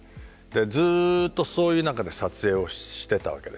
ずっとそういう中で撮影をしてたわけですよ。